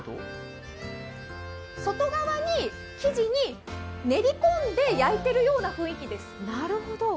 外側の生地に練り込んで焼いているような雰囲気です。